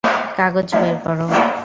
কাগজ বের কর।